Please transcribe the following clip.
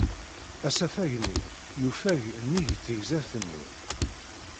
Asafag-nni yufeg nnig tegzirt-nni.